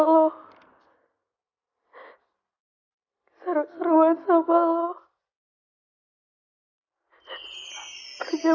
saya ingin melewati semuanya